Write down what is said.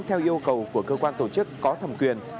theo yêu cầu của cơ quan tổ chức có thẩm quyền